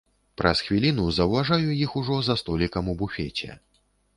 Праз хвіліну заўважаю іх ужо за столікам у буфеце.